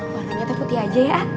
warnanya teh putih aja ya ak